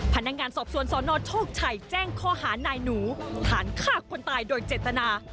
พนักงานสอบสวนสนโชคชัยแจ้งข้อหานายหนูฐานฆ่าคนตายโดยเจตนา